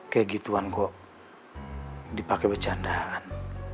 kayak gituan kok dipakai bercandaan